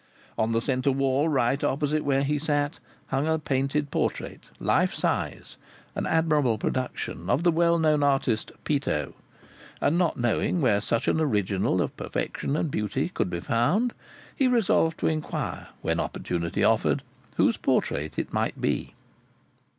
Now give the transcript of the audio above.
On the centre wall right opposite where he sat hung a painted portrait, life size, an admirable production of the well known artist, "Peto," and not knowing where such an original of perfection and beauty could be found, he resolved to inquire, when opportunity offered, whose portrait it might be.